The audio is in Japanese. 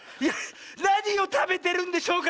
「なにをたべてるんでしょうか」